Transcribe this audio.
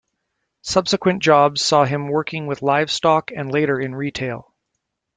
Subsequent jobs saw him working with livestock and later in retail.